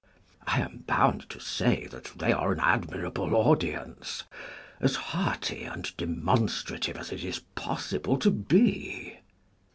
I am bound to say that they are an admir able audience. As hearty and demonstrative as it is possible to be.